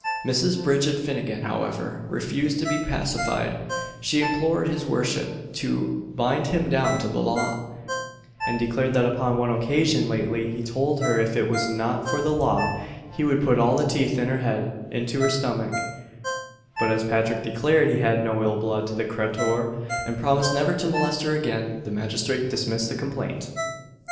Mrs. Bridget Finnagen, however, refused to be pacified; she implored his worship "to bind him down to the law," and declared that upon one occasion lately, he told her if it was not for the law, he would put all the teeth in her head into her stomach; but as Patrick declared he had no ill blood to the cratur, and promised never to molest her again, the magistrate dismissed the complaint.